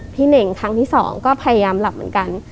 พี่เนกทางที่๒ก็พยายามหลับเหมือนกัน